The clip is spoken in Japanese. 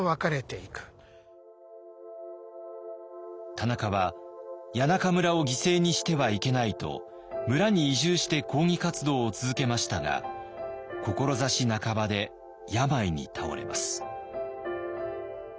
田中は谷中村を犠牲にしてはいけないと村に移住して抗議活動を続けましたが志半ばで病に倒れます。